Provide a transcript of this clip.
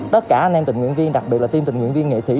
tất cả anh em tình nguyện viên đặc biệt là tim tình nguyện viên nghệ sĩ